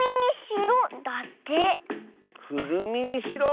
「くるみにしろ」？